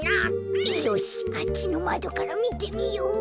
よしあっちのまどからみてみよう。